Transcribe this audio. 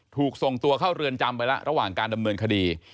ถูกส่งตัวเข้าเรือนจำไปแล้วระหว่างการดำเนินคดี